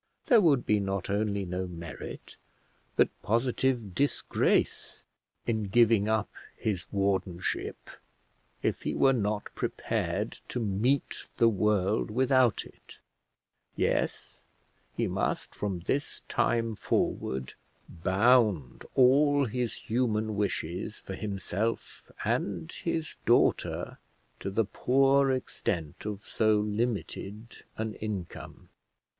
There would be not only no merit, but positive disgrace, in giving up his wardenship, if he were not prepared to meet the world without it. Yes, he must from this time forward bound all his human wishes for himself and his daughter to the poor extent of so limited an income.